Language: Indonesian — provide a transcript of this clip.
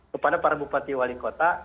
kepada para bupati wali kota